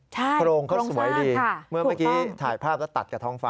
ใช่โครงสร้างค่ะเพราะเมื่อเมื่อกี้ถ่ายภาพแล้วตัดกับท้องฟ้า